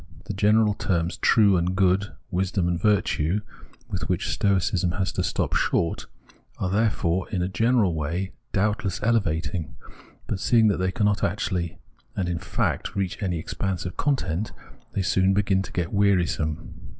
The general terms true and good, wisdom and virtue, with which Stoicism has to stop short, are, therefore, in a general way, doubtless elevating ; but seeing that they cannot actually and in fact reach any expanse of content, they soon begin to get wearisome.